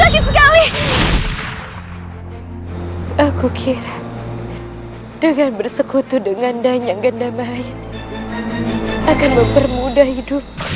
jangan sampai kabur